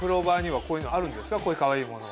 こういうかわいいものは。